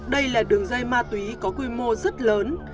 đây là đường dây ma túy có quy mô rất lớn